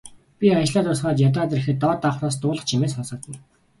Би ажлаа дуусгаад ядраад ирэхэд доод давхраас дуулах чимээ сонсогдоно.